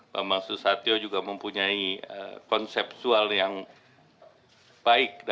pak bambang susatyo juga mempunyai konsepsual yang berbeda